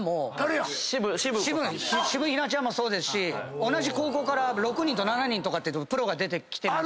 シブヒナちゃんもそうですし同じ高校から６人７人とかプロが出てきてますし。